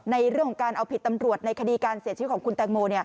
ในเรื่องของการเอาผิดตำรวจในคดีการเสียชีวิตของคุณแตงโม